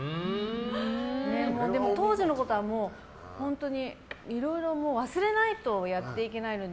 当時のことは本当にいろいろ忘れないとやっていけないので。